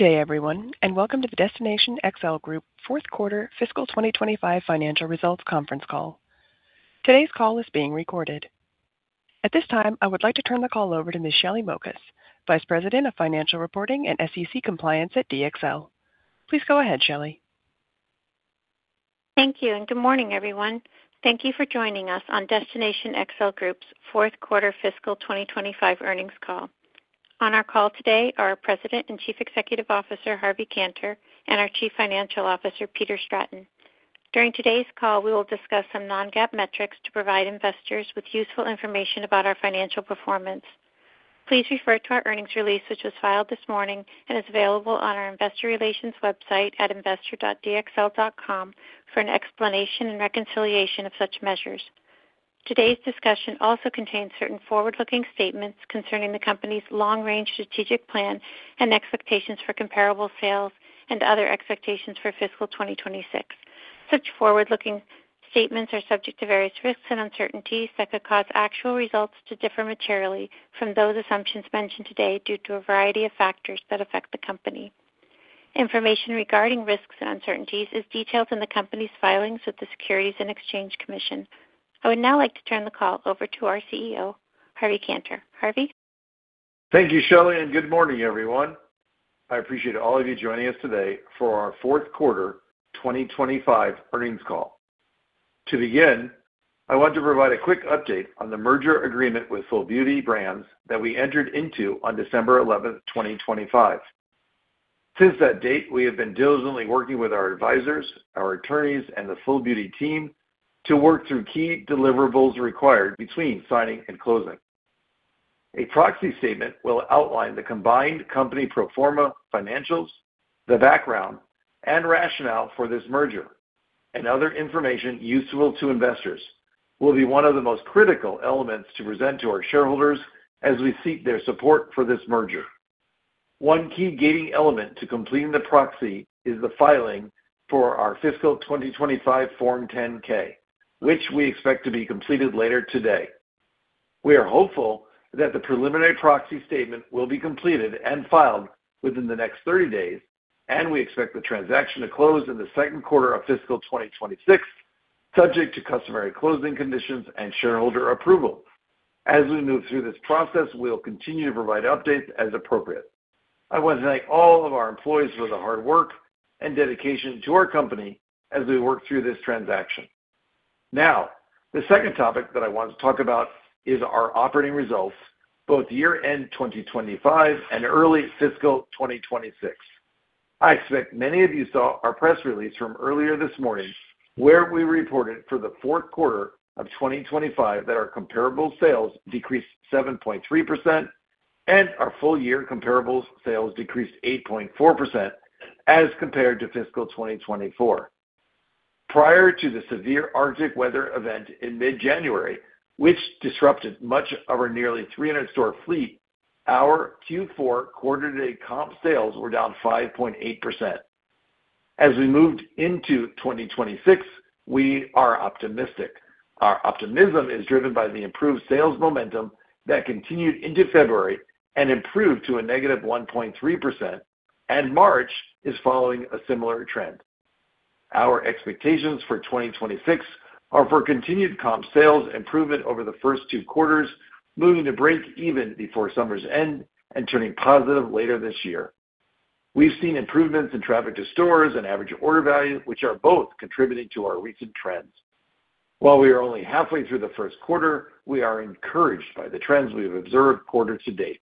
Good day, everyone, and welcome to the Destination XL Group fourth quarter fiscal 2025 financial results conference call. Today's call is being recorded. At this time, I would like to turn the call over to Ms. Shelly Mokas, Vice President of Financial Reporting and SEC Compliance at DXL. Please go ahead, Shelly. Thank you, and good morning, everyone. Thank you for joining us on Destination XL Group's fourth quarter fiscal 2025 earnings call. On our call today are our President and Chief Executive Officer, Harvey Kanter, and our Chief Financial Officer, Peter Stratton. During today's call, we will discuss some non-GAAP metrics to provide investors with useful information about our financial performance. Please refer to our earnings release, which was filed this morning and is available on our investor relations website at investor.dxl.com for an explanation and reconciliation of such measures. Today's discussion also contains certain forward-looking statements concerning the company's long-range strategic plan and expectations for comparable sales and other expectations for fiscal 2026. Such forward-looking statements are subject to various risks and uncertainties that could cause actual results to differ materially from those assumptions mentioned today due to a variety of factors that affect the company. Information regarding risks and uncertainties is detailed in the company's filings with the Securities and Exchange Commission. I would now like to turn the call over to our CEO, Harvey Kanter. Harvey? Thank you, Shelly, and good morning, everyone. I appreciate all of you joining us today for our fourth quarter 2025 earnings call. To begin, I want to provide a quick update on the merger agreement with FullBeauty Brands that we entered into on December 11th, 2025. Since that date, we have been diligently working with our advisors, our attorneys, and the FullBeauty team to work through key deliverables required between signing and closing. A proxy statement will outline the combined company pro forma financials, the background and rationale for this merger, and other information useful to investors, will be one of the most critical elements to present to our shareholders as we seek their support for this merger. One key gating element to completing the proxy is the filing for our fiscal 2025 Form 10-K, which we expect to be completed later today. We are hopeful that the preliminary proxy statement will be completed and filed within the next 30 days, and we expect the transaction to close in the second quarter of fiscal 2026, subject to customary closing conditions and shareholder approval. As we move through this process, we'll continue to provide updates as appropriate. I want to thank all of our employees for the hard work and dedication to our company as we work through this transaction. Now, the second topic that I want to talk about is our operating results both year-end 2025 and early fiscal 2026. I expect many of you saw our press release from earlier this morning, where we reported for the fourth quarter of 2025 that our comparable sales decreased 7.3% and our full-year comparable sales decreased 8.4% as compared to fiscal 2024. Prior to the severe Arctic weather event in mid-January, which disrupted much of our nearly 300 store fleet, our Q4 quarter-to-date comp sales were down 5.8%. As we moved into 2026, we are optimistic. Our optimism is driven by the improved sales momentum that continued into February and improved to a -1.3%, and March is following a similar trend. Our expectations for 2026 are for continued comp sales improvement over the first two quarters, moving to break even before summer's end and turning positive later this year. We've seen improvements in traffic to stores and average order value, which are both contributing to our recent trends. While we are only halfway through the first quarter, we are encouraged by the trends we've observed quarter-to-date.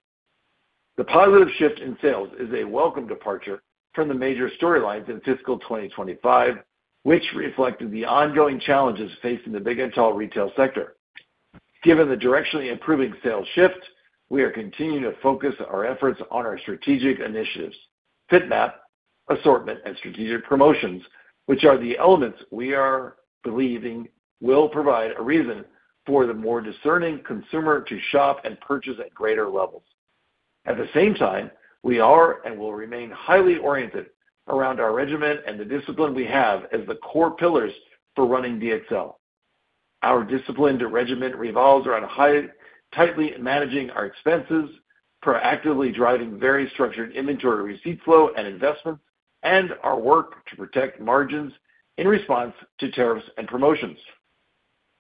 The positive shift in sales is a welcome departure from the major storylines in fiscal 2025, which reflected the ongoing challenges facing the big and tall retail sector. Given the directionally improving sales shift, we are continuing to focus our efforts on our strategic initiatives, FiTMAP, assortment, and strategic promotions, which are the elements we are believing will provide a reason for the more discerning consumer to shop and purchase at greater levels. At the same time, we are and will remain highly oriented around our regimen and the discipline we have as the core pillars for running DXL. Our discipline to regimen revolves around tightly managing our expenses, proactively driving very structured inventory, receipt flow and investments, and our work to protect margins in response to tariffs and promotions.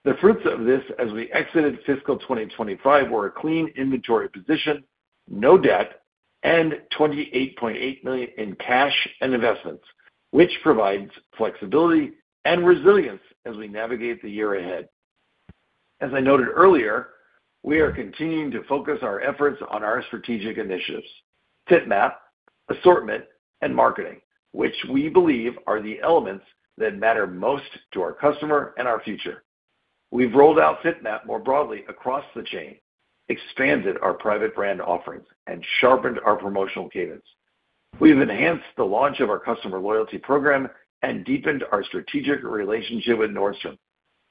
The fruits of this as we exited fiscal 2025 were a clean inventory position, no debt, and $28.8 million in cash and investments, which provides flexibility and resilience as we navigate the year ahead. As I noted earlier, we are continuing to focus our efforts on our strategic initiatives, FiTMAP, assortment, and marketing, which we believe are the elements that matter most to our customer and our future. We've rolled out FiTMAP more broadly across the chain, expanded our private brand offerings, and sharpened our promotional cadence. We've enhanced the launch of our customer loyalty program and deepened our strategic relationship with Nordstrom.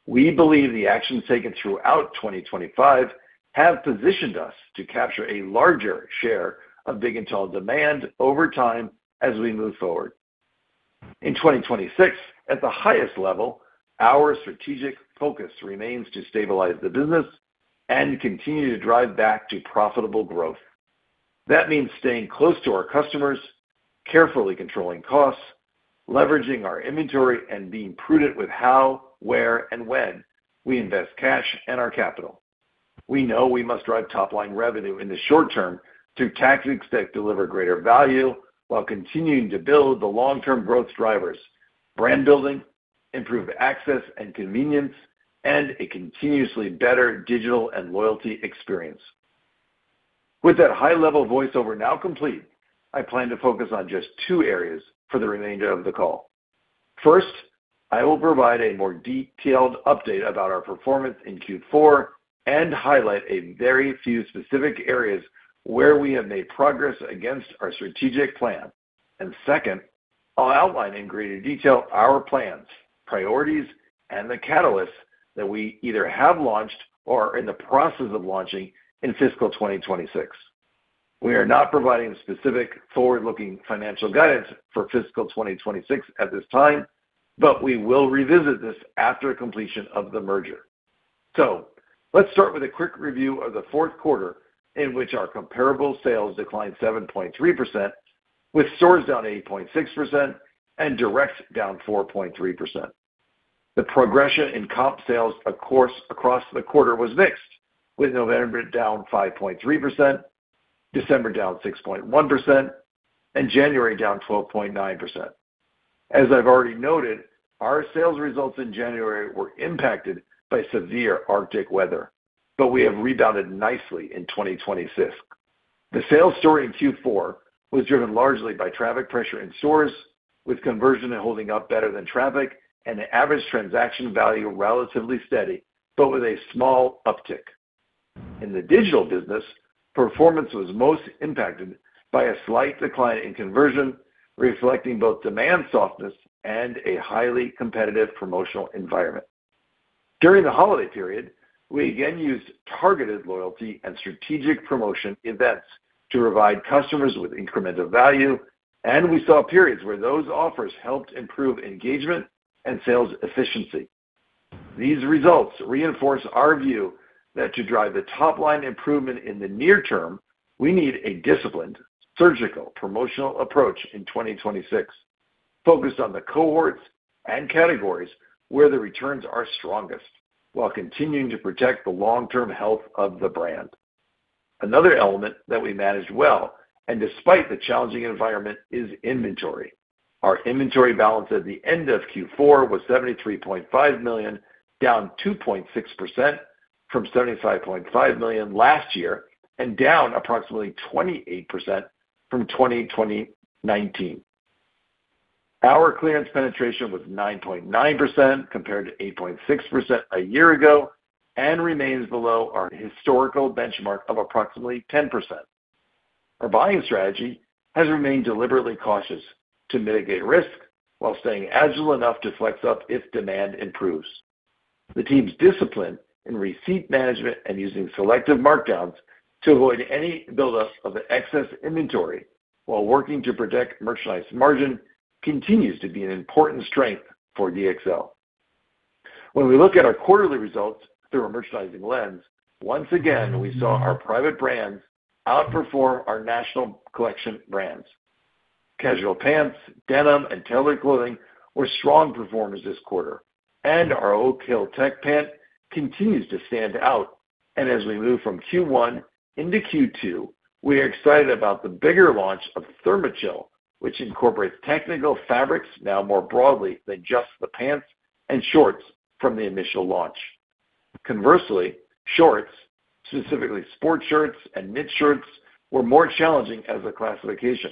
We believe the actions taken throughout 2025 have positioned us to capture a larger share of big and tall demand over time as we move forward. In 2026, at the highest level, our strategic focus remains to stabilize the business and continue to drive back to profitable growth. That means staying close to our customers, carefully controlling costs, leveraging our inventory, and being prudent with how, where, and when we invest cash and our capital. We know we must drive top-line revenue in the short term through tactics that deliver greater value while continuing to build the long-term growth drivers, brand building, improved access and convenience, and a continuously better digital and loyalty experience. With that high-level voiceover now complete, I plan to focus on just two areas for the remainder of the call. First, I will provide a more detailed update about our performance in Q4 and highlight a very few specific areas where we have made progress against our strategic plan. Second, I'll outline in greater detail our plans, priorities, and the catalysts that we either have launched or are in the process of launching in fiscal 2026. We are not providing specific forward-looking financial guidance for fiscal 2026 at this time, but we will revisit this after completion of the merger. Let's start with a quick review of the fourth quarter in which our comparable sales declined 7.3% with stores down 8.6% and direct down 4.3%. The progression in comp sales across the quarter was mixed, with November down 5.3%, December down 6.1%, and January down 12.9%. As I've already noted, our sales results in January were impacted by severe Arctic weather, but we have rebounded nicely in 2026. The sales story in Q4 was driven largely by traffic pressure in stores, with conversion and holding up better than traffic and the average transaction value relatively steady, but with a small uptick. In the digital business, performance was most impacted by a slight decline in conversion, reflecting both demand softness and a highly competitive promotional environment. During the holiday period, we again used targeted loyalty and strategic promotion events to provide customers with incremental value, and we saw periods where those offers helped improve engagement and sales efficiency. These results reinforce our view that to drive the top-line improvement in the near term, we need a disciplined surgical promotional approach in 2026 focused on the cohorts and categories where the returns are strongest while continuing to protect the long-term health of the brand. Another element that we managed well, and despite the challenging environment, is inventory. Our inventory balance at the end of Q4 was $73.5 million, down 2.6% from $75.5 million last year and down approximately 28% from 2019. Our clearance penetration was 9.9% compared to 8.6% a year ago and remains below our historical benchmark of approximately 10%. Our buying strategy has remained deliberately cautious to mitigate risk while staying agile enough to flex up if demand improves. The team's discipline in receipt management and using selective markdowns to avoid any buildup of excess inventory while working to protect merchandise margin continues to be an important strength for DXL. When we look at our quarterly results through a merchandising lens, once again, we saw our private brands outperform our national collection brands. Casual pants, denim, and tailored clothing were strong performers this quarter, and our Oak Hill tech pant continues to stand out. As we move from Q1 into Q2, we are excited about the bigger launch of ThermaChill, which incorporates technical fabrics now more broadly than just the pants and shorts from the initial launch. Conversely, shorts, specifically sports shorts and mid shorts, were more challenging as a classification.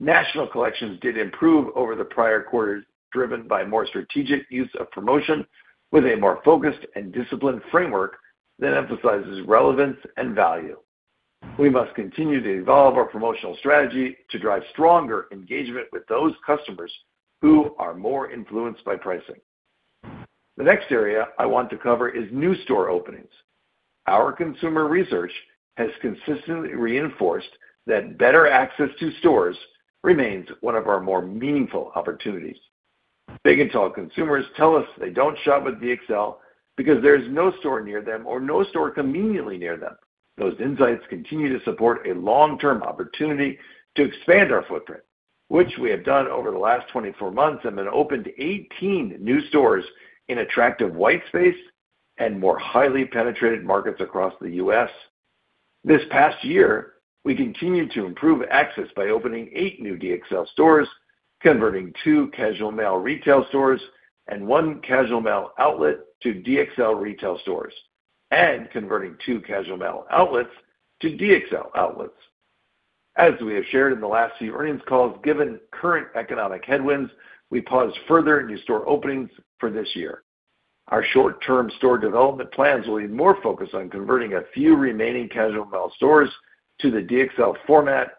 National collections did improve over the prior quarters, driven by more strategic use of promotion with a more focused and disciplined framework that emphasizes relevance and value. We must continue to evolve our promotional strategy to drive stronger engagement with those customers who are more influenced by pricing. The next area I want to cover is new store openings. Our consumer research has consistently reinforced that better access to stores remains one of our more meaningful opportunities. Big & Tall consumers tell us they don't shop with DXL because there's no store near them or no store conveniently near them. Those insights continue to support a long-term opportunity to expand our footprint, which we have done over the last 24 months and then opened 18 new stores in attractive white space and more highly penetrated markets across the U.S. This past year, we continued to improve access by opening eight new DXL stores, converting two Casual Male retail stores and one Casual Male outlet to DXL retail stores, and converting two Casual Male outlets to DXL outlets. As we have shared in the last few earnings calls, given current economic headwinds, we paused further new store openings for this year. Our short-term store development plans will be more focused on converting a few remaining Casual Male stores to the DXL format,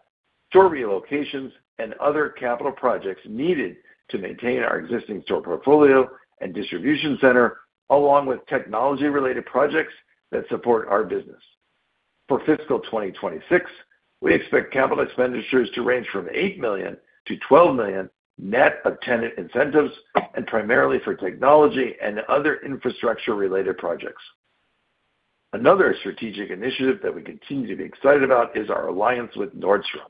store relocations, and other capital projects needed to maintain our existing store portfolio and distribution center, along with technology-related projects that support our business. For fiscal 2026, we expect capital expenditures to range from $8 million-$12 million net of tenant incentives and primarily for technology and other infrastructure-related projects. Another strategic initiative that we continue to be excited about is our alliance with Nordstrom.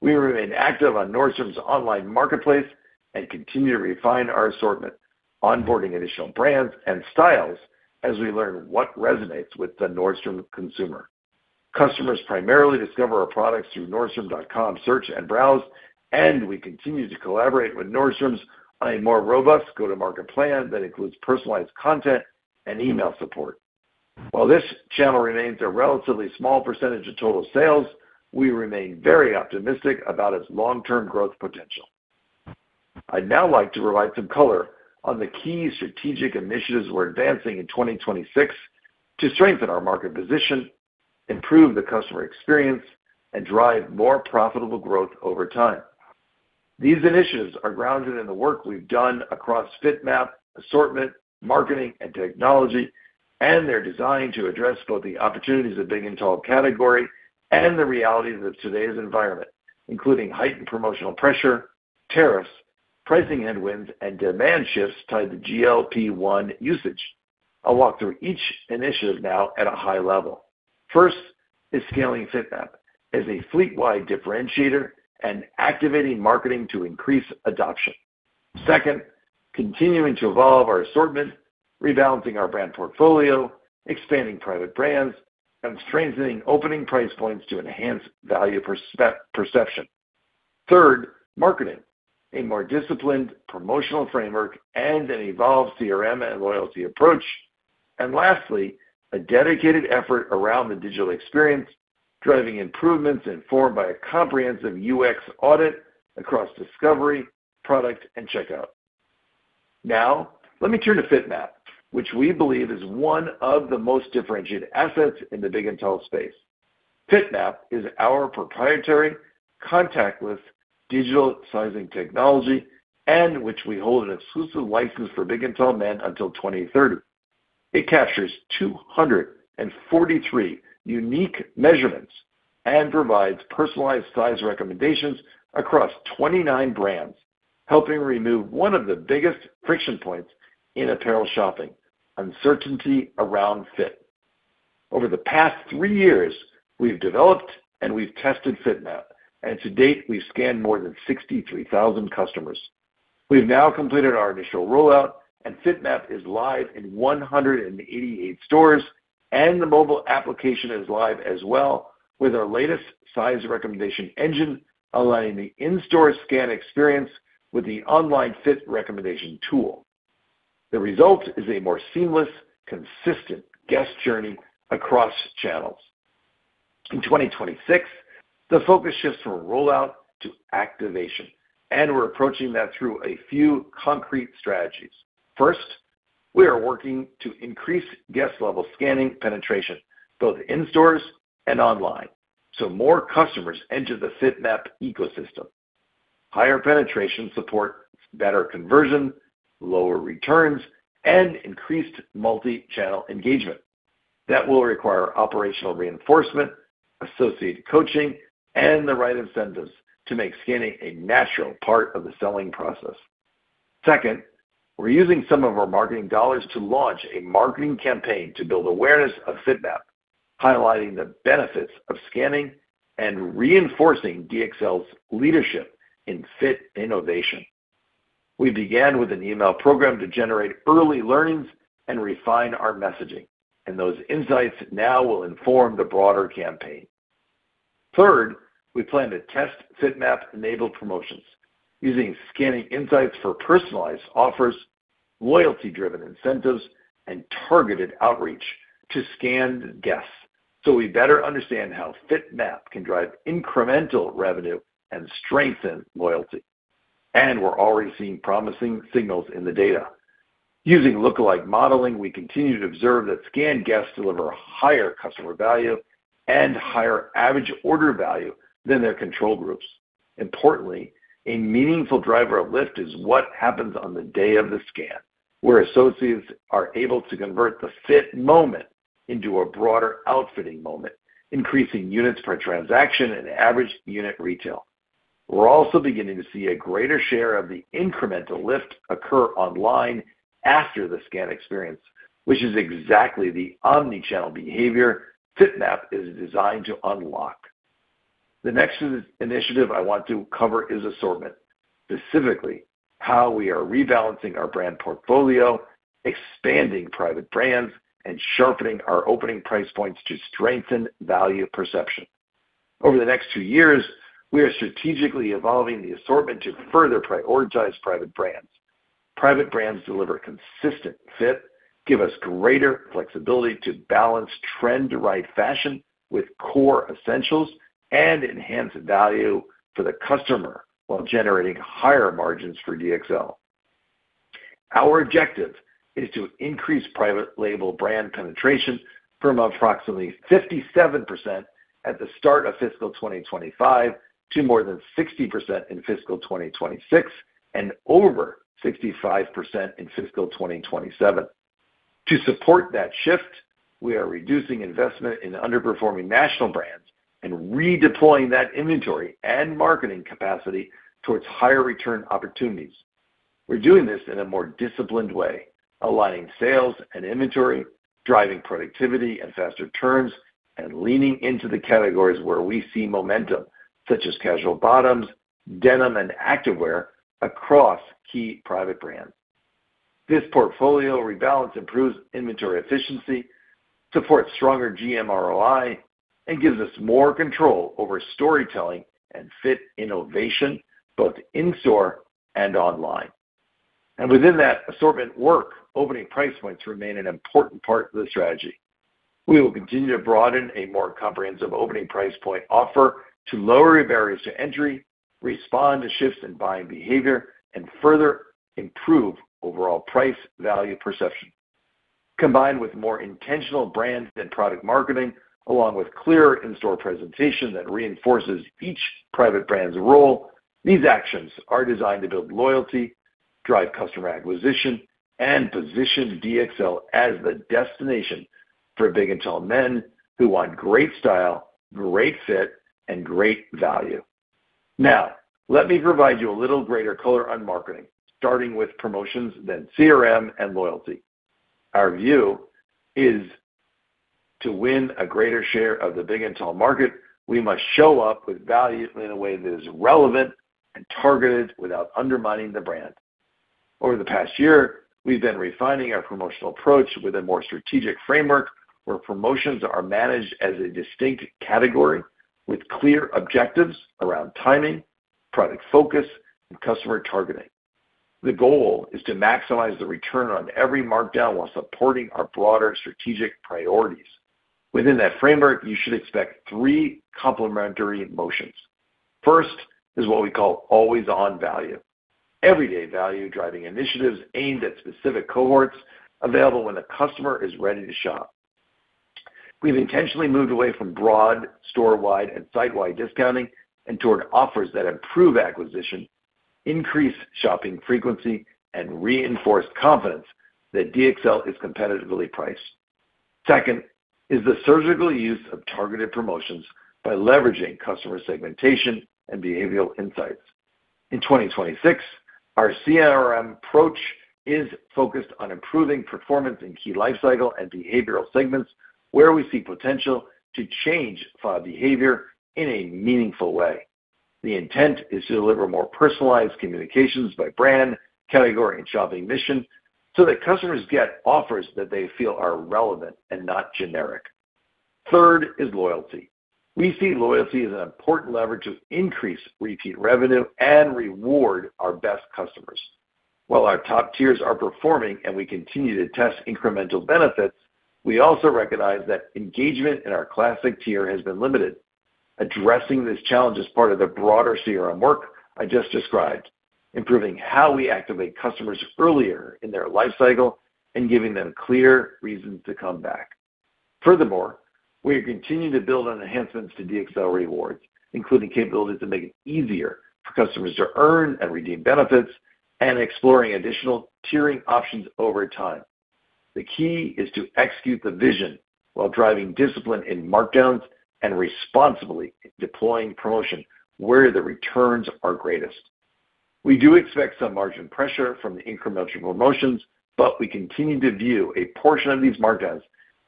We remain active on Nordstrom's online marketplace and continue to refine our assortment, onboarding additional brands and styles as we learn what resonates with the Nordstrom consumer. Customers primarily discover our products through nordstrom.com search and browse, and we continue to collaborate with Nordstrom on a more robust go-to-market plan that includes personalized content and email support. While this channel remains a relatively small percentage of total sales, we remain very optimistic about its long-term growth potential. I'd now like to provide some color on the key strategic initiatives we're advancing in 2026 to strengthen our market position, improve the customer experience, and drive more profitable growth over time. These initiatives are grounded in the work we've done across FiTMAP, assortment, marketing, and technology, and they're designed to address both the opportunities of Big and Tall category and the realities of today's environment, including heightened promotional pressure, tariffs, pricing headwinds, and demand shifts tied to GLP-1 usage. I'll walk through each initiative now at a high level. First is scaling FiTMAP as a fleet-wide differentiator and activating marketing to increase adoption. Second, continuing to evolve our assortment, rebalancing our brand portfolio, expanding private brands, and transitioning opening price points to enhance value perception. Third, marketing, a more disciplined promotional framework and an evolved CRM and loyalty approach. Lastly, a dedicated effort around the digital experience, driving improvements informed by a comprehensive UX audit across discovery, product, and checkout. Now, let me turn to FiTMAP, which we believe is one of the most differentiated assets in the Big & Tall space. FiTMAP is our proprietary contactless digital sizing technology, and which we hold an exclusive license for Big & Tall men until 2030. It captures 243 unique measurements and provides personalized size recommendations across 29 brands, helping remove one of the biggest friction points in apparel shopping, uncertainty around fit. Over the past three years, we've developed and we've tested FiTMAP, and to date, we've scanned more than 63,000 customers. We've now completed our initial rollout, and FiTMAP is live in 188 stores, and the mobile application is live as well, with our latest size recommendation engine aligning the in-store scan experience with the online fit recommendation tool. The result is a more seamless, consistent guest journey across channels. In 2026, the focus shifts from rollout to activation, and we're approaching that through a few concrete strategies. First, we are working to increase guest-level scanning penetration, both in stores and online, so more customers enter the FiTMAP ecosystem. Higher penetration supports better conversion, lower returns, and increased multi-channel engagement. That will require operational reinforcement, associate coaching, and the right incentives to make scanning a natural part of the selling process. Second, we're using some of our marketing dollars to launch a marketing campaign to build awareness of FiTMAP, highlighting the benefits of scanning and reinforcing DXL's leadership in fit innovation. We began with an email program to generate early learnings and refine our messaging, and those insights now will inform the broader campaign. Third, we plan to test FiTMAP-enabled promotions using scanning insights for personalized offers, loyalty-driven incentives, and targeted outreach to scanned guests, so we better understand how FiTMAP can drive incremental revenue and strengthen loyalty. We're already seeing promising signals in the data. Using lookalike modeling, we continue to observe that scanned guests deliver higher customer value and higher average order value than their control groups. Importantly, a meaningful driver of lift is what happens on the day of the scan, where associates are able to convert the fit moment into a broader outfitting moment, increasing units per transaction and average unit retail. We're also beginning to see a greater share of the incremental lift occur online after the scan experience, which is exactly the omnichannel behavior FiTMAP is designed to unlock. The next initiative I want to cover is assortment, specifically how we are rebalancing our brand portfolio, expanding private brands, and sharpening our opening price points to strengthen value perception. Over the next two years, we are strategically evolving the assortment to further prioritize private brands. Private brands deliver consistent fit, give us greater flexibility to balance trend-right fashion with core essentials, and enhance value for the customer while generating higher margins for DXL. Our objective is to increase private label brand penetration from approximately 57% at the start of fiscal 2025 to more than 60% in fiscal 2026 and over 65% in fiscal 2027. To support that shift, we are reducing investment in underperforming national brands and redeploying that inventory and marketing capacity towards higher return opportunities. We're doing this in a more disciplined way, aligning sales and inventory, driving productivity and faster turns, and leaning into the categories where we see momentum, such as casual bottoms, denim, and activewear across key private brands. This portfolio rebalance improves inventory efficiency, supports stronger GMROI, and gives us more control over storytelling and fit innovation both in-store and online. Within that assortment work, opening price points remain an important part of the strategy. We will continue to broaden a more comprehensive opening price point offer to lower your barriers to entry, respond to shifts in buying behavior, and further improve overall price value perception. Combined with more intentional brand and product marketing, along with clearer in-store presentation that reinforces each private brand's role, these actions are designed to build loyalty, drive customer acquisition, and position DXL as the destination for big and tall men who want great style, great fit, and great value. Now, let me provide you a little greater color on marketing, starting with promotions, then CRM and loyalty. Our view is to win a greater share of the big and tall market, we must show up with value in a way that is relevant and targeted without undermining the brand. Over the past year, we've been refining our promotional approach with a more strategic framework where promotions are managed as a distinct category with clear objectives around timing, product focus, and customer targeting. The goal is to maximize the return on every markdown while supporting our broader strategic priorities. Within that framework, you should expect three complementary motions. First is what we call always on value. Everyday value driving initiatives aimed at specific cohorts available when a customer is ready to shop. We've intentionally moved away from broad storewide and sitewide discounting and toward offers that improve acquisition, increase shopping frequency, and reinforce confidence that DXL is competitively priced. Second is the surgical use of targeted promotions by leveraging customer segmentation and behavioral insights. In 2026, our CRM approach is focused on improving performance in key life cycle and behavioral segments where we see potential to change file behavior in a meaningful way. The intent is to deliver more personalized communications by brand, category, and shopping mission so that customers get offers that they feel are relevant and not generic. Third is loyalty. We see loyalty as an important leverage to increase repeat revenue and reward our best customers. While our top tiers are performing and we continue to test incremental benefits, we also recognize that engagement in our classic tier has been limited. Addressing this challenge is part of the broader CRM work I just described, improving how we activate customers earlier in their life cycle and giving them clear reasons to come back. Furthermore, we are continuing to build on enhancements to DXL Rewards, including capabilities to make it easier for customers to earn and redeem benefits and exploring additional tiering options over time. The key is to execute the vision while driving discipline in markdowns and responsibly deploying promotion where the returns are greatest. We do expect some margin pressure from the incremental promotions, but we continue to view a portion of these markdowns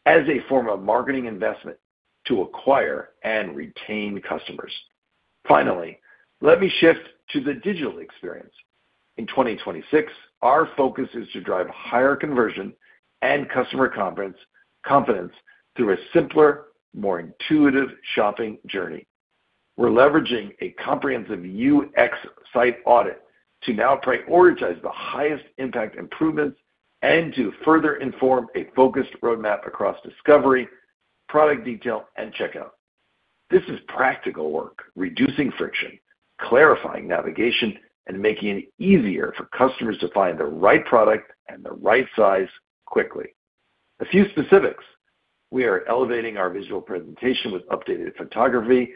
as a form of marketing investment to acquire and retain customers. Finally, let me shift to the digital experience. In 2026, our focus is to drive higher conversion and customer confidence through a simpler, more intuitive shopping journey. We're leveraging a comprehensive UX site audit to now prioritize the highest impact improvements and to further inform a focused roadmap across discovery, product detail, and checkout. This is practical work, reducing friction, clarifying navigation, and making it easier for customers to find the right product and the right size quickly. A few specifics. We are elevating our visual presentation with updated photography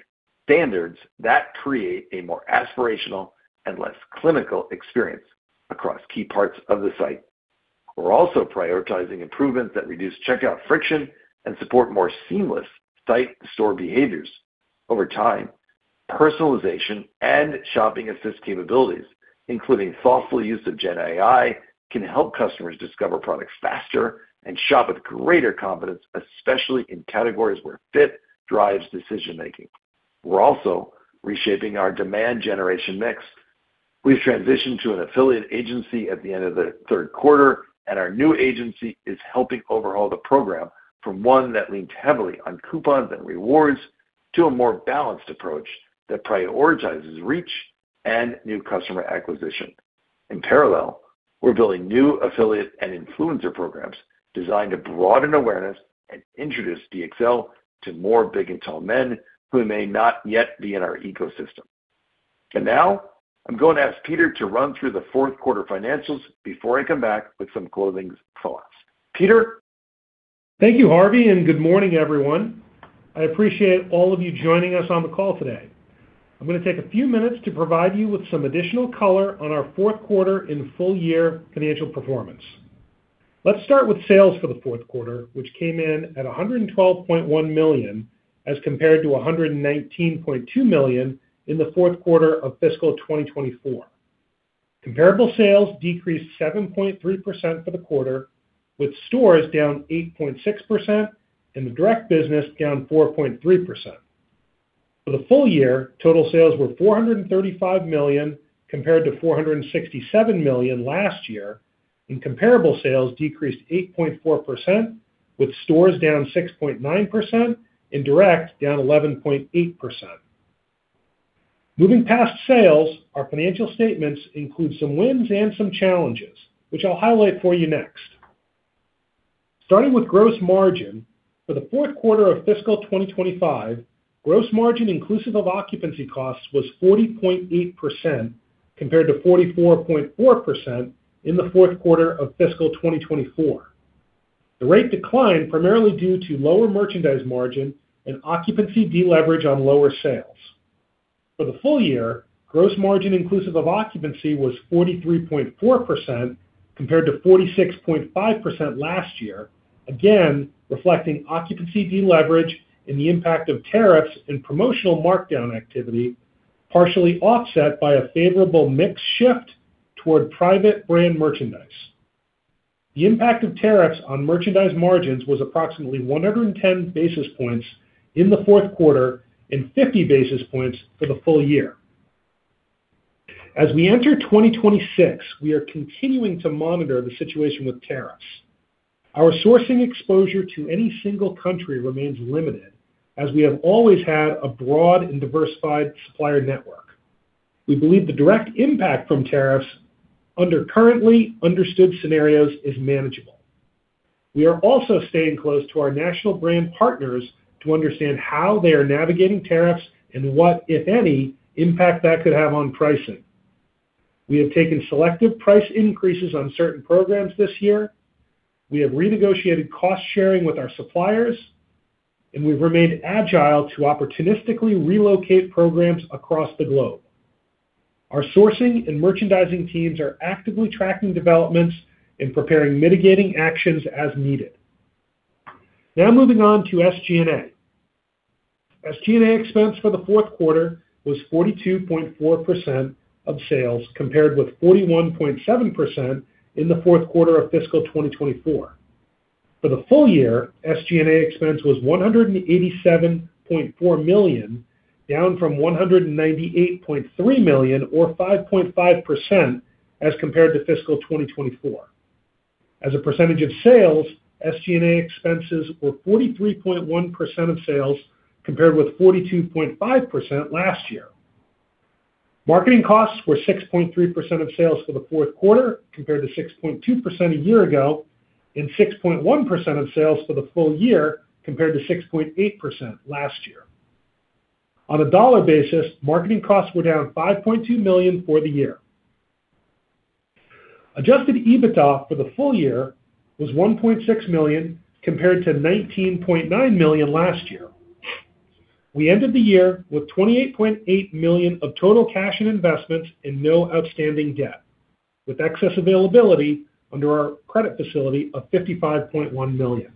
standards that create a more aspirational and less clinical experience across key parts of the site. We're also prioritizing improvements that reduce checkout friction and support more seamless site-to-store behaviors over time. Personalization and shopping assist capabilities, including thoughtful use of GenAI, can help customers discover products faster and shop with greater confidence, especially in categories where fit drives decision-making. We're also reshaping our demand generation mix. We've transitioned to an affiliate agency at the end of the third quarter, and our new agency is helping overhaul the program from one that leans heavily on coupons and rewards to a more balanced approach that prioritizes reach and new customer acquisition. In parallel, we're building new affiliate and influencer programs designed to broaden awareness and introduce DXL to more big and tall men who may not yet be in our ecosystem. Now I'm going to ask Peter to run through the fourth quarter financials before I come back with some closing thoughts. Peter? Thank you, Harvey, and good morning, everyone. I appreciate all of you joining us on the call today. I'm gonna take a few minutes to provide you with some additional color on our fourth quarter and full year financial performance. Let's start with sales for the fourth quarter, which came in at $112.1 million, as compared to $119.2 million in the fourth quarter of fiscal 2024. Comparable sales decreased 7.3% for the quarter, with stores down 8.6% and the direct business down 4.3%. For the full year, total sales were $435 million compared to $467 million last year, and comparable sales decreased 8.4%, with stores down 6.9% and direct down 11.8%. Moving past sales, our financial statements include some wins and some challenges, which I'll highlight for you next. Starting with gross margin. For the fourth quarter of fiscal 2025, gross margin inclusive of occupancy costs was 40.8% compared to 44.4% in the fourth quarter of fiscal 2024. The rate declined primarily due to lower merchandise margin and occupancy deleverage on lower sales. For the full year, gross margin inclusive of occupancy was 43.4% compared to 46.5% last year, again, reflecting occupancy deleverage and the impact of tariffs and promotional markdown activity, partially offset by a favorable mix shift toward private brand merchandise. The impact of tariffs on merchandise margins was approximately 110 basis points in the fourth quarter and 50 basis points for the full year. As we enter 2026, we are continuing to monitor the situation with tariffs. Our sourcing exposure to any single country remains limited as we have always had a broad and diversified supplier network. We believe the direct impact from tariffs under currently understood scenarios is manageable. We are also staying close to our national brand partners to understand how they are navigating tariffs and what, if any, impact that could have on pricing. We have taken selective price increases on certain programs this year. We have renegotiated cost-sharing with our suppliers, and we've remained agile to opportunistically relocate programs across the globe. Our sourcing and merchandising teams are actively tracking developments and preparing mitigating actions as needed. Now moving on to SG&A. SG&A expense for the fourth quarter was 42.4% of sales, compared with 41.7% in the fourth quarter of fiscal 2024. For the full year, SG&A expense was $187.4 million, down from $198.3 million or 5.5% as compared to fiscal 2024. As a percentage of sales, SG&A expenses were 43.1% of sales, compared with 42.5% last year. Marketing costs were 6.3% of sales for the fourth quarter compared to 6.2% a year ago and 6.1% of sales for the full year compared to 6.8% last year. On a dollar basis, marketing costs were down $5.2 million for the year. Adjusted EBITDA for the full year was $1.6 million compared to $19.9 million last year. We ended the year with $28.8 million of total cash and investments and no outstanding debt, with excess availability under our credit facility of $55.1 million.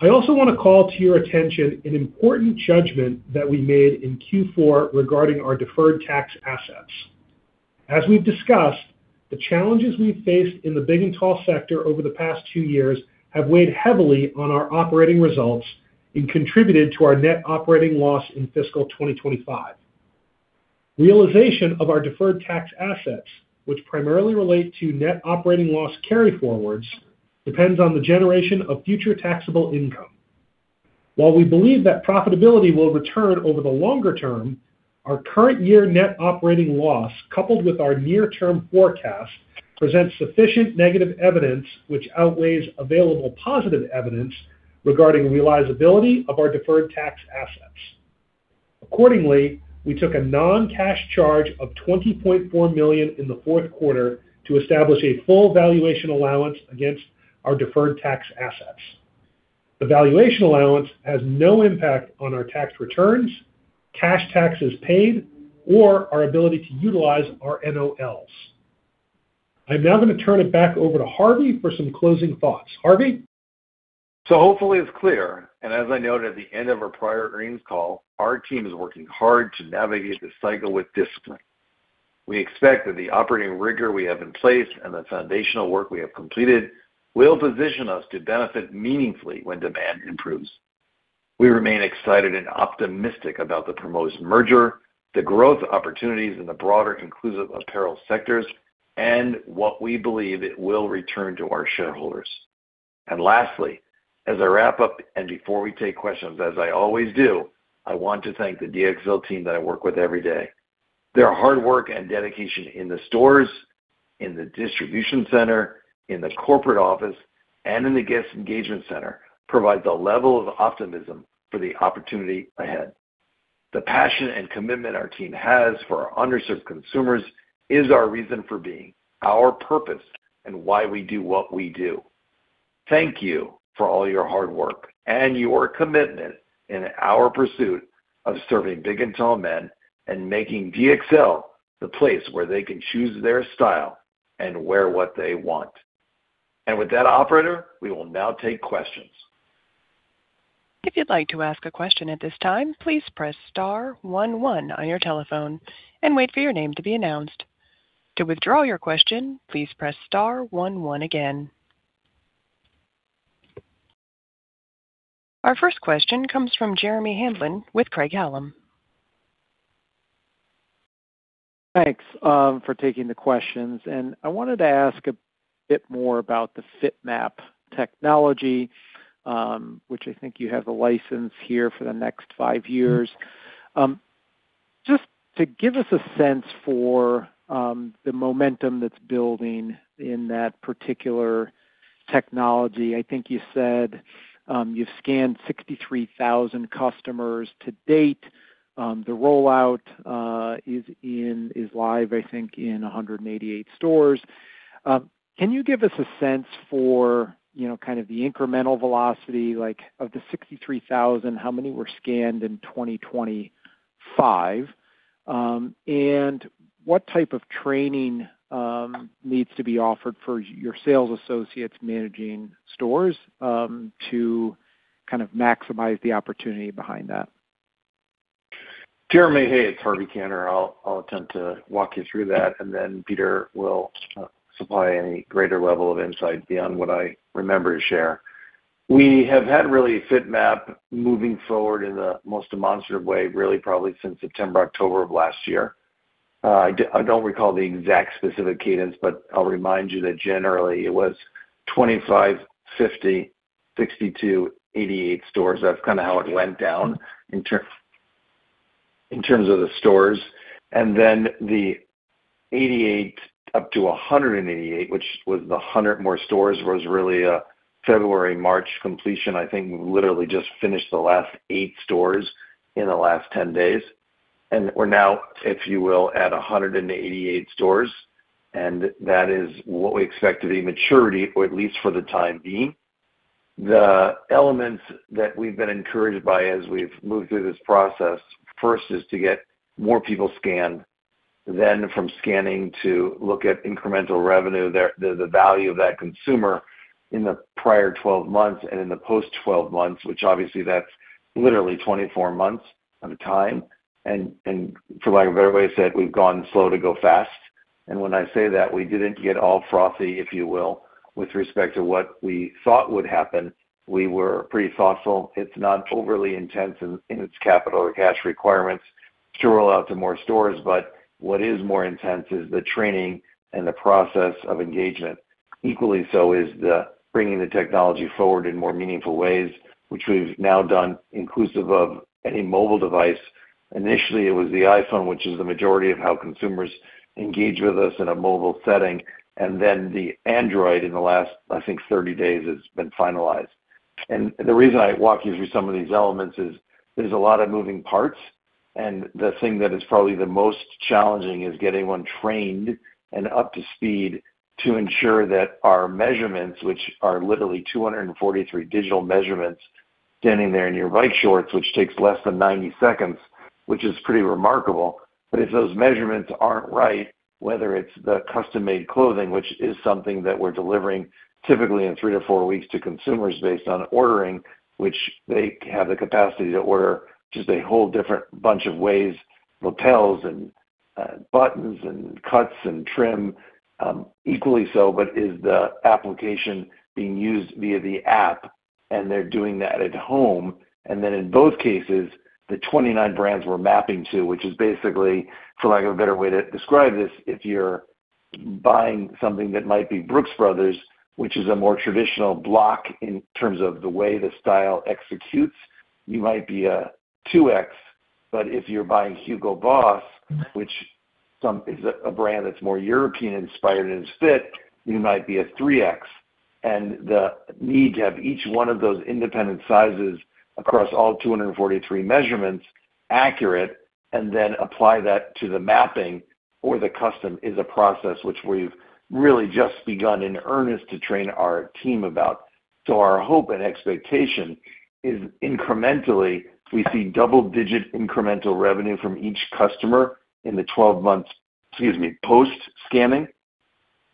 I also wanna call to your attention an important judgment that we made in Q4 regarding our deferred tax assets. As we've discussed, the challenges we've faced in the big and tall sector over the past two years have weighed heavily on our operating results and contributed to our net operating loss in fiscal 2025. Realization of our deferred tax assets, which primarily relate to net operating loss carryforwards, depends on the generation of future taxable income. While we believe that profitability will return over the longer term, our current year net operating loss, coupled with our near-term forecast, presents sufficient negative evidence which outweighs available positive evidence regarding realizability of our deferred tax assets. Accordingly, we took a non-cash charge of $20.4 million in the fourth quarter to establish a full valuation allowance against our deferred tax assets. The valuation allowance has no impact on our tax returns, cash taxes paid, or our ability to utilize our NOLs. I'm now gonna turn it back over to Harvey for some closing thoughts. Harvey? Hopefully it's clear, and as I noted at the end of our prior earnings call, our team is working hard to navigate this cycle with discipline. We expect that the operating rigor we have in place and the foundational work we have completed will position us to benefit meaningfully when demand improves. We remain excited and optimistic about the promost merger, the growth opportunities in the broader inclusive apparel sectors, and what we believe it will return to our shareholders. Lastly, as I wrap up and before we take questions, as I always do, I want to thank the DXL team that I work with every day. Their hard work and dedication in the stores, in the distribution center, in the corporate office, and in the guest engagement center provides a level of optimism for the opportunity ahead. The passion and commitment our team has for our underserved consumers is our reason for being, our purpose, and why we do what we do. Thank you for all your hard work and your commitment in our pursuit of serving big and tall men and making DXL the place where they can choose their style and wear what they want. With that operator, we will now take questions. If you'd like to ask a question at this time, please press star one one on your telephone and wait for your name to be announced. To withdraw your question, please press star one one again. Our first question comes from Jeremy Hamblin with Craig-Hallum. Thanks for taking the questions. I wanted to ask a bit more about the FiTMAP technology, which I think you have the license here for the next five years. Just to give us a sense for the momentum that's building in that particular technology. I think you said you've scanned 63,000 customers to-date. The rollout is live, I think in 188 stores. Can you give us a sense for, you know, kind of the incremental velocity? Like of the 63,000, how many were scanned in 2025? What type of training needs to be offered for your sales associates managing stores to kind of maximize the opportunity behind that? Jeremy, hey, it's Harvey Kanter. I'll attempt to walk you through that, and then Peter will supply any greater level of insight beyond what I remember to share. We have had really FiTMAP moving forward in the most demonstrative way, really probably since September, October of last year. I don't recall the exact specific cadence, but I'll remind you that generally it was 25, 50, 62, 88 stores. That's kinda how it went down in terms of the stores. Then the 88 up to 188, which was the 100 more stores, was really a February, March completion. I think we literally just finished the last eight stores in the last 10 days. We're now, if you will, at 188 stores, and that is what we expect to be maturity or at least for the time being. The elements that we've been encouraged by as we've moved through this process, first is to get more people scanned. From scanning to look at incremental revenue, the value of that consumer in the prior 12 months and in the post 12 months, which obviously that's literally 24 months at a time. For lack of a better way said, we've gone slow to go fast. When I say that, we didn't get all frothy, if you will, with respect to what we thought would happen. We were pretty thoughtful. It's not overly intense in its capital or cash requirements to roll out to more stores, but what is more intense is the training and the process of engagement. Equally so is the bringing the technology forward in more meaningful ways, which we've now done inclusive of any mobile device. Initially, it was the iPhone, which is the majority of how consumers engage with us in a mobile setting. The Android in the last, I think 30 days has been finalized. The reason I walk you through some of these elements is there's a lot of moving parts, and the thing that is probably the most challenging is getting one trained and up to speed to ensure that our measurements, which are literally 243 digital measurements, standing there in your bike shorts, which takes less than 90 seconds, which is pretty remarkable. If those measurements aren't right, whether it's the custom-made clothing, which is something that we're delivering typically in three or four weeks to consumers based on ordering, which they have the capacity to order, just a whole different bunch of ways, models and buttons and cuts and trim, equally so, but is the application being used via the app, and they're doing that at home. In both cases, the 29 brands we're mapping to, which is basically, for lack of a better way to describe this, if you're buying something that might be Brooks Brothers, which is a more traditional block in terms of the way the style executes, you might be a 2X. If you're buying Hugo Boss, which is a brand that's more European inspired in its fit, you might be a 3X. The need to have each one of those independent sizes across all 243 measurements accurate and then apply that to the mapping or the custom is a process which we've really just begun in earnest to train our team about. Our hope and expectation is incrementally, we see double-digit incremental revenue from each customer in the 12 months post-scanning.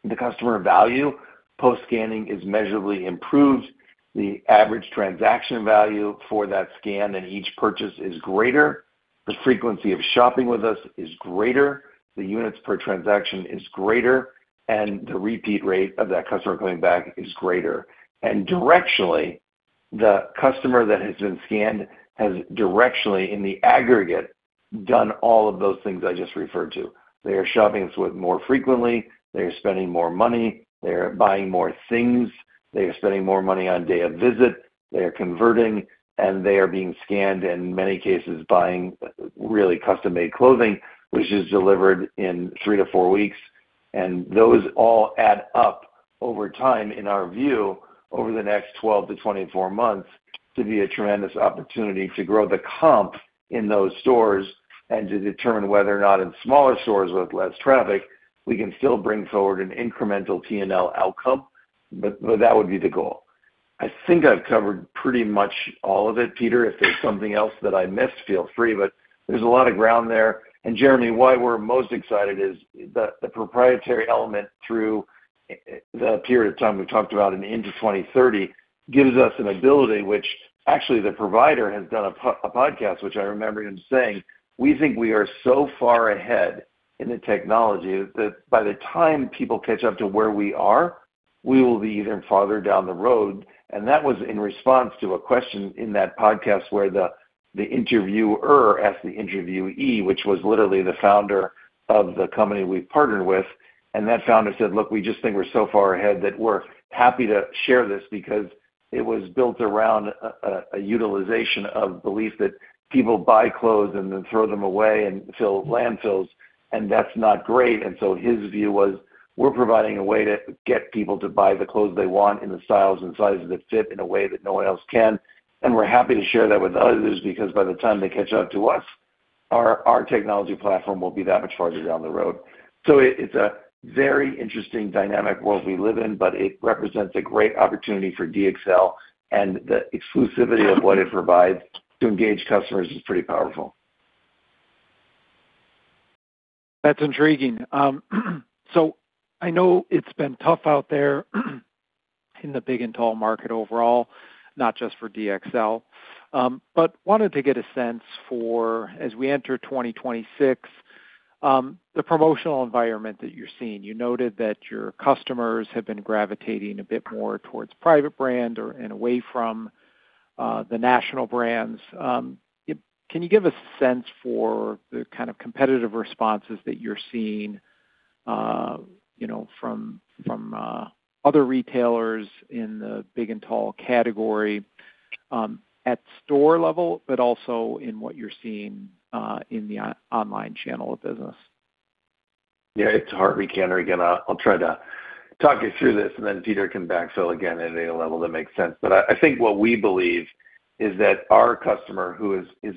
The customer value post-scanning is measurably improved. The average transaction value for that scan in each purchase is greater. The frequency of shopping with us is greater. The units per transaction is greater, and the repeat rate of that customer coming back is greater. Directionally, the customer that has been scanned has directionally, in the aggregate, done all of those things I just referred to. They are shopping more frequently. They are spending more money. They are buying more things. They are spending more money on day of visit, they are converting, and they are being scanned, in many cases, buying really custom-made clothing, which is delivered in three to four weeks. Those all add up over time, in our view, over the next 12-24 months to be a tremendous opportunity to grow the comp in those stores and to determine whether or not in smaller stores with less traffic, we can still bring forward an incremental P&L outcome. That would be the goal. I think I've covered pretty much all of it, Peter. If there's something else that I missed, feel free, but there's a lot of ground there. Jeremy, why we're most excited is the proprietary element through the period of time we talked about and into 2030 gives us an ability which actually the provider has done a podcast, which I remember him saying, "We think we are so far ahead in the technology that by the time people catch up to where we are, we will be even farther down the road." That was in response to a question in that podcast where the interviewer asked the interviewee, which was literally the founder of the company we partnered with, and that founder said, "Look, we just think we're so far ahead that we're happy to share this because it was built around a utilization of belief that people buy clothes and then throw them away and fill landfills, and that's not great." His view was, we're providing a way to get people to buy the clothes they want in the styles and sizes that fit in a way that no one else can. We're happy to share that with others because by the time they catch up to us, our technology platform will be that much farther down the road. It's a very interesting dynamic world we live in, but it represents a great opportunity for DXL and the exclusivity of what it provides to engage customers is pretty powerful. That's intriguing. So I know it's been tough out there in the big and tall market overall, not just for DXL. Wanted to get a sense for as we enter 2026, the promotional environment that you're seeing. You noted that your customers have been gravitating a bit more towards private brand or and away from the national brands. Can you give a sense for the kind of competitive responses that you're seeing, you know, from other retailers in the big and tall category, at store level, but also in what you're seeing in the online channel of business? Yeah. It's Harvey Kanter again. I'll try to talk you through this and then Peter can backfill again at any level that makes sense. I think what we believe is that our customer who is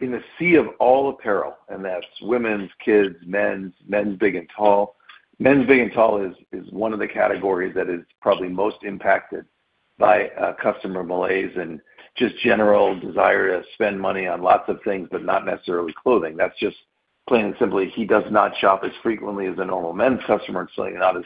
in a sea of all apparel, and that's women's, kids, men's big and tall. Men's Big & Tall is one of the categories that is probably most impacted by customer malaise and just general desire to spend money on lots of things, but not necessarily clothing. That's just plain and simple, he does not shop as frequently as a normal men's customer, certainly not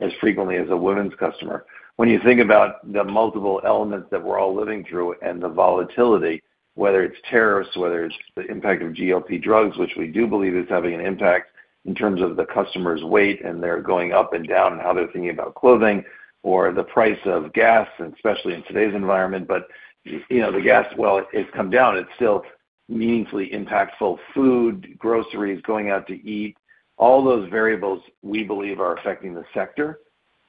as frequently as a women's customer. When you think about the multiple elements that we're all living through and the volatility, whether it's tariffs, whether it's the impact of GLP drugs, which we do believe is having an impact in terms of the customer's weight, and they're going up and down and how they're thinking about clothing or the price of gas, and especially in today's environment. You know, the gas, well, it's come down. It's still meaningfully impactful. Food, groceries, going out to eat, all those variables we believe are affecting the sector.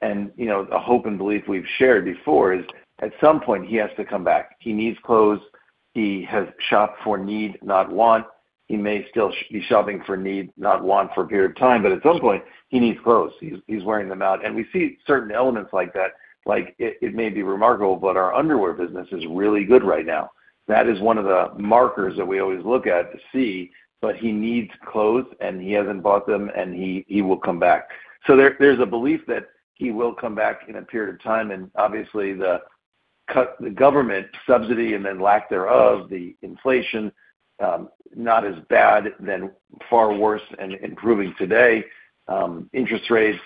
You know, the hope and belief we've shared before is at some point he has to come back. He needs clothes. He has shopped for need, not want. He may still be shopping for need, not want for a period of time, but at some point he needs clothes. He's wearing them out. We see certain elements like that. Like it may be remarkable, but our underwear business is really good right now. That is one of the markers that we always look at to see. He needs clothes and he hasn't bought them and he will come back. There's a belief that he will come back in a period of time, and obviously the government subsidy and then lack thereof, the inflation not as bad then far worse and improving today, interest rates,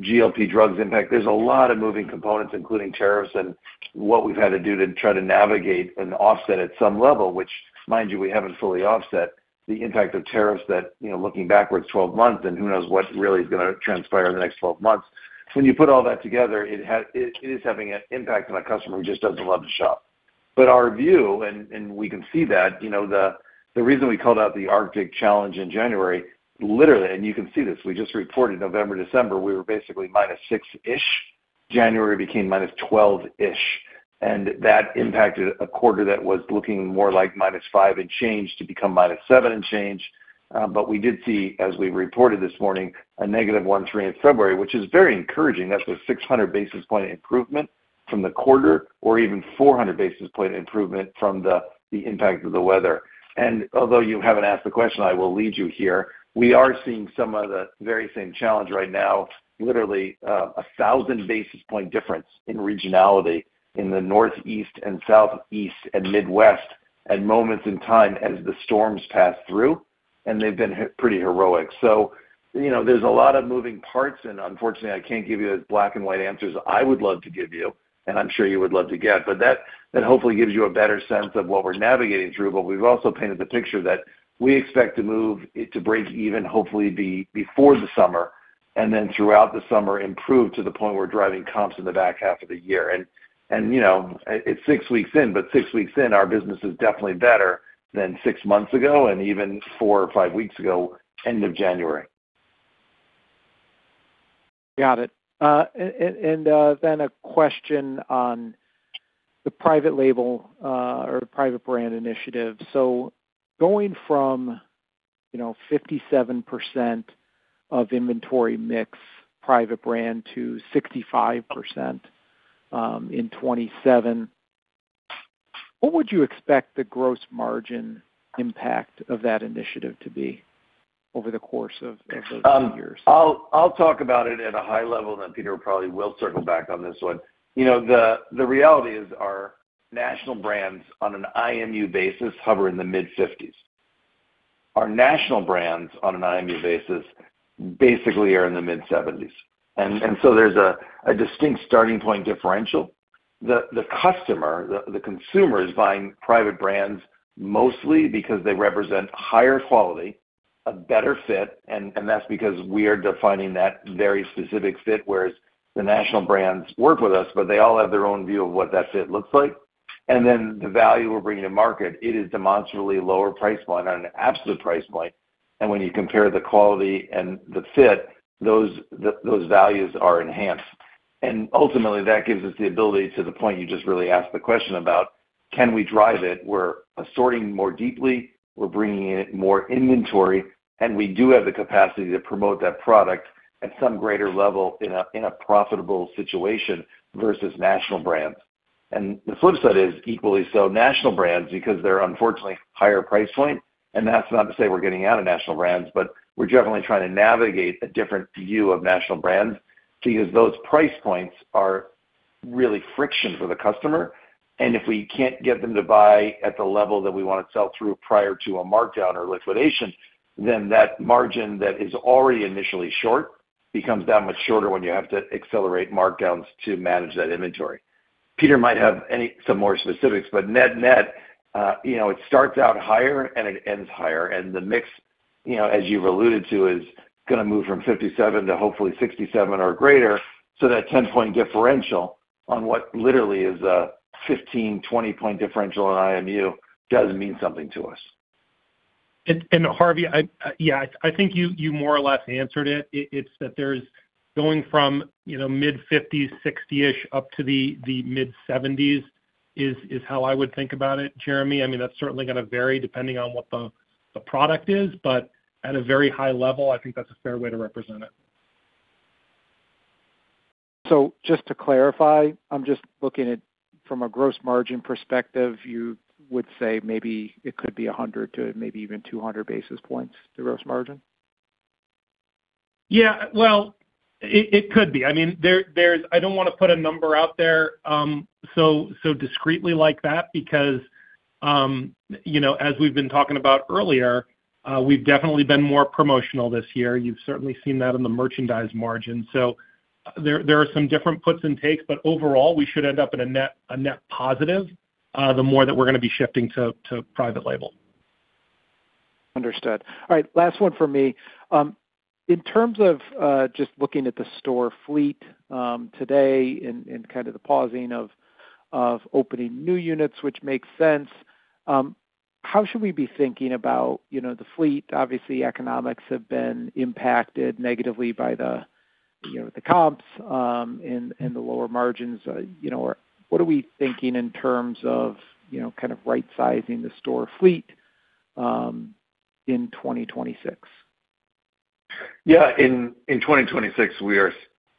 GLP drugs impact. There's a lot of moving components, including tariffs and what we've had to do to try to navigate and offset at some level, which mind you, we haven't fully offset the impact of tariffs that, you know, looking backwards 12 months and who knows what really is gonna transpire in the next 12 months. When you put all that together, it is having an impact on a customer who just doesn't love to shop. Our view and we can see that, you know, the reason we called out the Arctic challenge in January, literally, and you can see this, we just reported November, December, we were basically -6%. January became -12%. That impacted a quarter that was looking more like -5% and change to become -7% and change. We did see, as we reported this morning, a -1.3% in February, which is very encouraging. That's a 600 basis point improvement from the quarter or even 400 basis point improvement from the impact of the weather. Although you haven't asked the question, I will lead you here. We are seeing some of the very same challenges right now, literally, a 1,000 basis points difference in regionality in the Northeast and Southeast and Midwest at moments in time as the storms pass through. They've been pretty heroic. You know, there's a lot of moving parts, and unfortunately, I can't give you the black and white answers I would love to give you, and I'm sure you would love to get. That hopefully gives you a better sense of what we're navigating through. We've also painted the picture that we expect to move it to break even hopefully before the summer, and then throughout the summer improve to the point where we're driving comps in the back half of the year. You know, it's six weeks in, but six weeks in, our business is definitely better than six months ago and even four or five weeks ago, end of January. Got it. Then a question on the private label or the private brand initiative. Going from, you know, 57% of inventory mix private brand to 65% in 2027, what would you expect the gross margin impact of that initiative to be over the course of those two years? I'll talk about it at a high level, and then Peter probably will circle back on this one. You know, the reality is our national brands on an IMU basis hover in the mid-50s. Our national brands on an IMU basis basically are in the mid-70s. There's a distinct starting point differential. The customer, the consumer is buying private brands mostly because they represent higher quality, a better fit, and that's because we are defining that very specific fit, whereas the national brands work with us, but they all have their own view of what that fit looks like. Then the value we're bringing to market, it is demonstrably lower price point on an absolute price point. When you compare the quality and the fit, those values are enhanced. Ultimately, that gives us the ability to the point you just really asked the question about, can we drive it? We're assorting more deeply, we're bringing in more inventory, and we do have the capacity to promote that product at some greater level in a profitable situation versus national brands. The flip side is equally so, national brands, because they're unfortunately higher price point, and that's not to say we're getting out of national brands, but we're definitely trying to navigate a different view of national brands because those price points are really friction for the customer. If we can't get them to buy at the level that we wanna sell through prior to a markdown or liquidation, then that margin that is already initially short becomes that much shorter when you have to accelerate markdowns to manage that inventory. Peter might have some more specifics, but net net, you know, it starts out higher and it ends higher. The mix, you know, as you've alluded to, is gonna move from 57 to hopefully 67 or greater. That 10-point differential on what literally is a 15-20-point differential on IMU does mean something to us. Harvey, yeah, I think you more or less answered it. It's that there's going from, you know, mid-50s, 60%-ish up to the mid-70s% is how I would think about it, Jeremy. I mean, that's certainly gonna vary depending on what the product is. At a very high level, I think that's a fair way to represent it. Just to clarify, I'm just looking at it from a gross margin perspective, you would say maybe it could be 100 to maybe even 200 basis points to gross margin? Yeah. Well, it could be. I mean, I don't wanna put a number out there so discreetly like that because, you know, as we've been talking about earlier, we've definitely been more promotional this year. You've certainly seen that in the merchandise margin. There are some different puts and takes, but overall, we should end up in a net positive, the more that we're gonna be shifting to private label. Understood. All right. Last one for me. In terms of just looking at the store fleet today and kind of the pausing of opening new units, which makes sense, how should we be thinking about, you know, the fleet? Obviously, economics have been impacted negatively by the, you know, the comps and the lower margins. You know, what are we thinking in terms of, you know, kind of right-sizing the store fleet in 2026? Yeah. In 2026, we are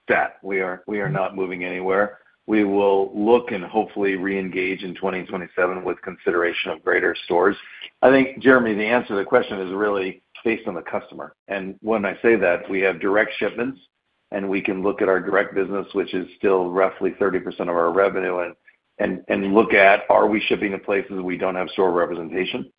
set. We are not moving anywhere. We will look and hopefully reengage in 2027 with consideration of greater stores. I think, Jeremy, the answer to the question is really based on the customer. When I say that, we have direct shipments, and we can look at our direct business, which is still roughly 30% of our revenue and look at are we shipping to places we don't have store representation.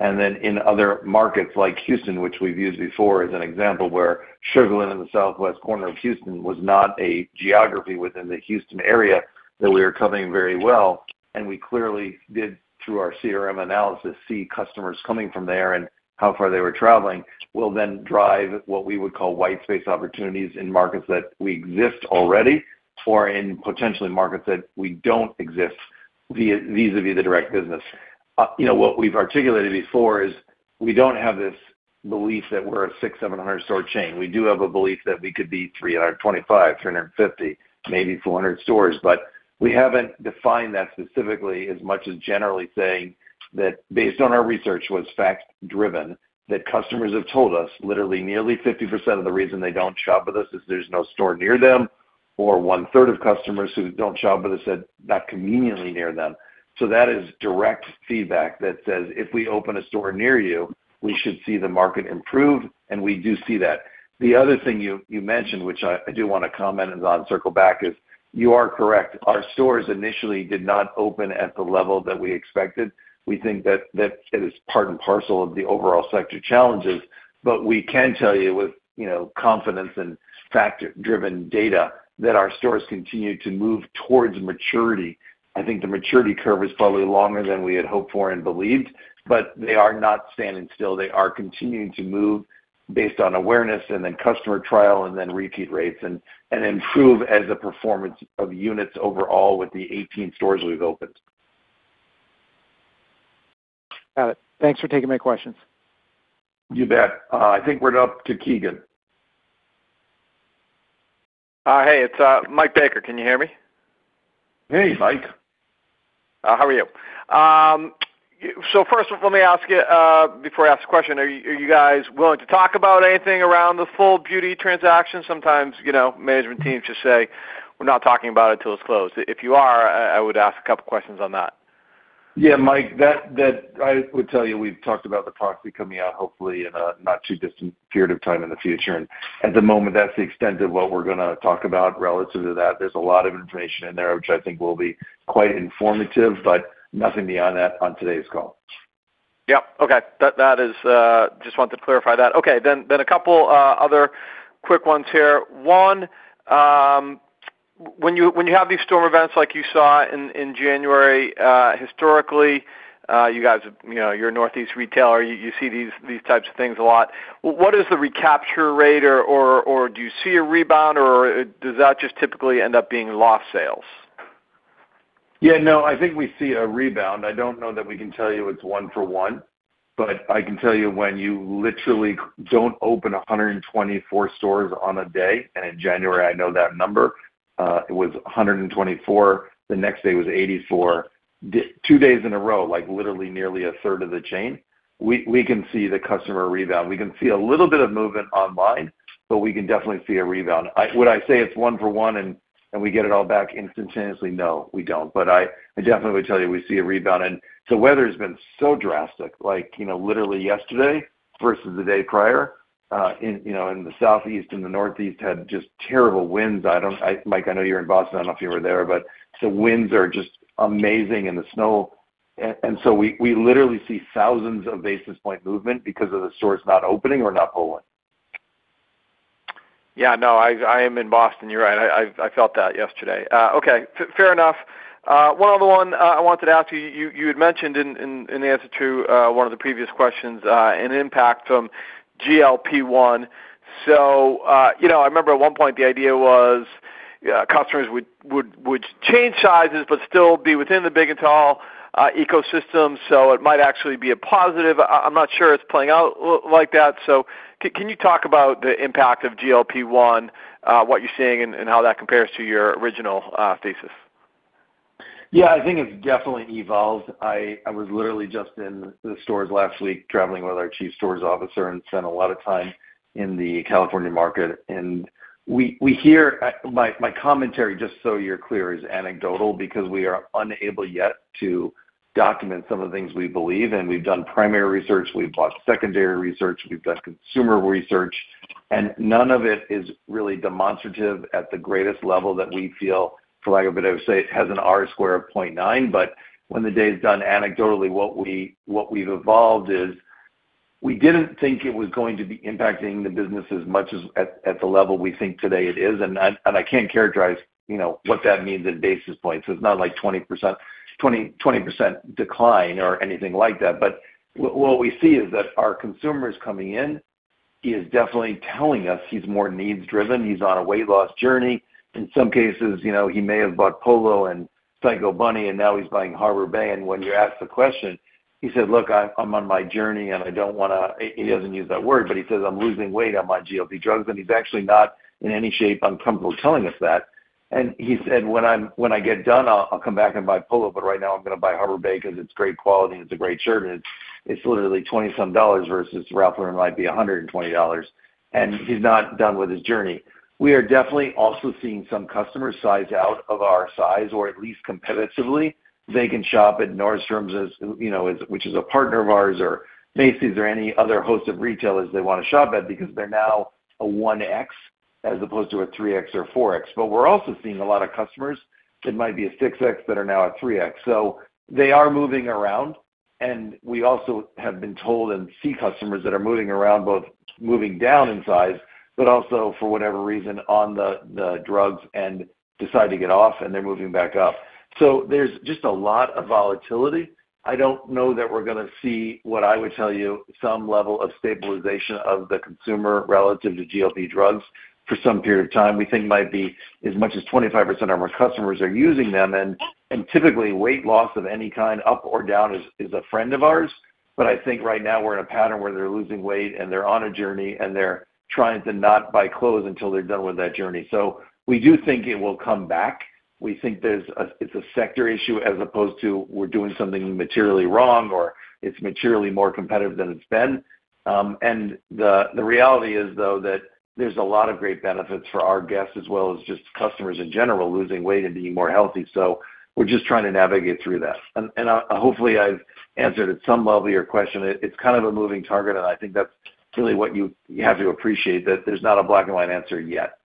In other markets like Houston, which we've used before as an example, where Sugar Land in the Southwest corner of Houston was not a geography within the Houston area that we are covering very well, and we clearly did, through our CRM analysis, see customers coming from there and how far they were traveling, will then drive what we would call white space opportunities in markets that we exist already or in potentially markets that we don't exist vis-a-vis the direct business. You know, what we've articulated before is we don't have this belief that we're a 600, 700 store chain. We do have a belief that we could be 325, 350, maybe 400 stores. We haven't defined that specifically as much as generally saying that based on our research, what's fact driven, that customers have told us literally nearly 50% of the reason they don't shop with us is there's no store near them, or one-third of customers who don't shop with us said not conveniently near them. That is direct feedback that says, if we open a store near you, we should see the market improve, and we do see that. The other thing you mentioned, which I do wanna comment and then circle back is, you are correct. Our stores initially did not open at the level that we expected. We think that is part and parcel of the overall sector challenges. We can tell you with, you know, confidence and factor driven data that our stores continue to move towards maturity. I think the maturity curve is probably longer than we had hoped for and believed, but they are not standing still. They are continuing to move based on awareness and then customer trial and then repeat rates and improve as the performance of units overall with the 18 stores we've opened. Got it. Thanks for taking my questions. You bet. I think we're up to Keegan. Hey, it's Michael Baker. Can you hear me? Hey, Mike. How are you? So first let me ask you, before I ask a question, are you guys willing to talk about anything around the FullBeauty transaction? Sometimes, you know, management teams just say, "We're not talking about it until it's closed." If you are, I would ask a couple questions on that. Yeah, Mike, I would tell you, we've talked about the proxy coming out hopefully in a not too distant period of time in the future. At the moment, that's the extent of what we're gonna talk about relative to that. There's a lot of information in there which I think will be quite informative, but nothing beyond that on today's call. Yeah. Okay. That is. Just wanted to clarify that. Okay, a couple other quick ones here. One, when you have these storm events like you saw in January, historically, you guys, you know, you're a Northeast retailer, you see these types of things a lot. What is the recapture rate or do you see a rebound or does that just typically end up being lost sales? Yeah, no, I think we see a rebound. I don't know that we can tell you it's one for one, but I can tell you when you literally don't open 124 stores on a day, and in January, I know that number, it was 124, the next day was 84. Two days in a row, like literally nearly a third of the chain. We can see the customer rebound. We can see a little bit of movement online, but we can definitely see a rebound. Would I say it's one for one and we get it all back instantaneously? No, we don't. But I definitely tell you we see a rebound. The weather's been so drastic. Like, you know, literally yesterday versus the day prior, in, you know, in the Southeast and the Northeast had just terrible winds. Mike, I know you're in Boston. I don't know if you were there, but the winds are just amazing and the snow and so we literally see thousands of basis point movement because of the stores not opening or not pulling. Yeah, no, I am in Boston. You're right. I felt that yesterday. Okay, fair enough. One other one, I wanted to ask you. You had mentioned in answer to one of the previous questions, an impact from GLP-1. So, you know, I remember at one point the idea was, customers would change sizes but still be within the big and tall ecosystem, so it might actually be a positive. I'm not sure it's playing out like that. So can you talk about the impact of GLP-1, what you're seeing and how that compares to your original thesis? Yeah. I think it's definitely evolved. I was literally just in the stores last week traveling with our chief stores officer and spent a lot of time in the California market. My commentary, just so you're clear, is anecdotal because we are unable yet to document some of the things we believe. We've done primary research, we've bought secondary research, we've done consumer research, and none of it is really demonstrative at the greatest level that we feel, for lack of a better say, has an R-squared of 0.9. But when the day is done anecdotally, what we've evolved is we didn't think it was going to be impacting the business as much as at the level we think today it is. I can't characterize, you know, what that means in basis points. It's not like 20%, 20% decline or anything like that. What we see is that our consumer's coming in, he is definitely telling us he's more needs driven. He's on a weight loss journey. In some cases, you know, he may have bought Polo and Psycho Bunny, and now he's buying Harbor Bay. When you ask the question, he says, "Look, I'm on my journey, and I don't wanna." He doesn't use that word, but he says, "I'm losing weight. I'm on GLP drugs." He's actually not in any shape uncomfortable telling us that. He said, "When I get done, I'll come back and buy Polo, but right now I'm gonna buy Harbor Bay because it's great quality and it's a great shirt, and it's literally 20-some dollars versus Ralph Lauren might be $120." He's not done with his journey. We are definitely also seeing some customers size out of our size, or at least competitively. They can shop at Nordstrom's as, you know, as which is a partner of ours, or Macy's or any other host of retailers they wanna shop at because they're now a 1X as opposed to a 3X or 4X. We're also seeing a lot of customers that might be a 6X that are now a 3X. They are moving around. We also have been told and see customers that are moving around, both moving down in size, but also, for whatever reason, on the drugs and decide to get off and they're moving back up. There's just a lot of volatility. I don't know that we're gonna see, what I would tell you, some level of stabilization of the consumer relative to GLP drugs for some period of time. We think might be as much as 25% of our customers are using them. And typically, weight loss of any kind, up or down, is a friend of ours. I think right now we're in a pattern where they're losing weight and they're on a journey, and they're trying to not buy clothes until they're done with that journey. We do think it will come back. We think it's a sector issue as opposed to we're doing something materially wrong or it's materially more competitive than it's been. The reality is though that there's a lot of great benefits for our guests as well as just customers in general losing weight and being more healthy. We're just trying to navigate through that. Hopefully I've answered at some level your question. It's kind of a moving target, and I think that's really what you have to appreciate, that there's not a black and white answer yet.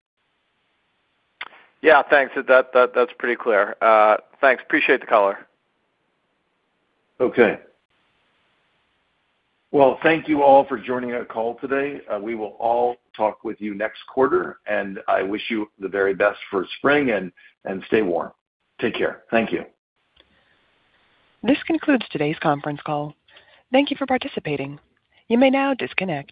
Yeah, thanks. That's pretty clear. Thanks. Appreciate the call. Okay. Well, thank you all for joining our call today. We will all talk with you next quarter, and I wish you the very best for spring and stay warm. Take care. Thank you. This concludes today's conference call. Thank you for participating. You may now disconnect.